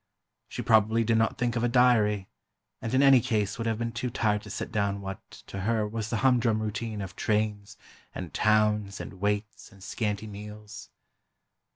She probably did not think of a diary, and in any case would have been too tired to set down what, to her, was the humdrum routine of trains and towns and waits and scanty meals.